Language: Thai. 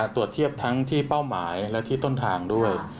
ถ้างที่เป้าหมายและที่ต้นทางด้วย